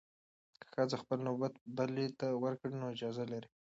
که ښځه خپل نوبت بلې ته ورکړي، نو اجازه لري.